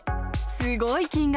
すごい金額。